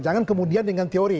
jangan kemudian dengan teori